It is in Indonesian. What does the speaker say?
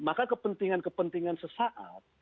maka kepentingan kepentingan sesaat